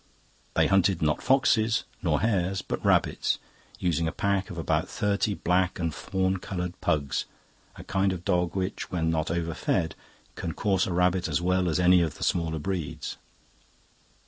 They hunted not foxes nor hares, but rabbits, using a pack of about thirty black and fawn coloured pugs, a kind of dog which, when not overfed, can course a rabbit as well as any of the smaller breeds.